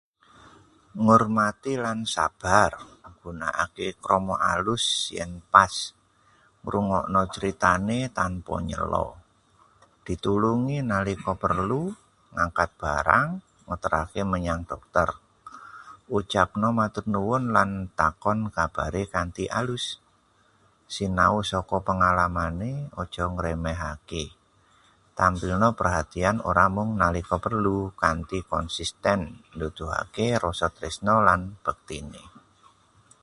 Ngormati lan sabar. Gunakake krama alus yen pas, ngrungokna critane tanpa nyela. Ditulungi nalika perlu, angkat barang, ngeterake menyang dokter. Ucapna matur nuwun lan takon kabare kanthi alus. Sinau saka pengalamane, aja ngremehake. Tampilna perhatian ora mung nalika perlu. kanthi konsisten nuduhake rasa tresna lan baktine.